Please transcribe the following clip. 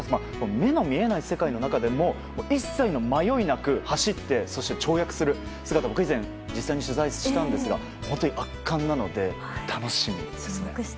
目の見えない世界でも一切の迷いがなく走って、そして跳躍する姿を以前、実際に取材したんですが本当に圧巻なので楽しみですね。